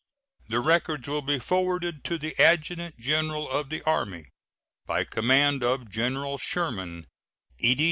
The records will be forwarded to the Adjutant General of the Army. By command of General Sherman: E.D.